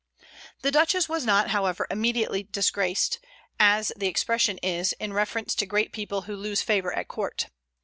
The Duchess was not, however, immediately "disgraced," as the expression is in reference to great people who lose favor at court.